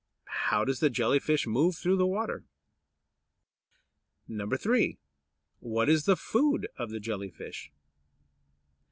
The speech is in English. How does the Jelly fish move through the water? 3. What is the food of the Jelly fish?